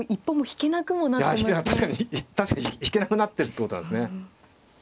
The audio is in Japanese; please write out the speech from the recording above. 引けなくなってるってことなんですね。